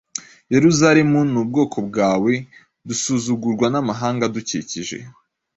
Yeruzalemu n’ubwoko bwawe dusuzugurwa n’amahanga adukikije